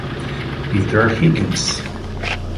Peter Higgins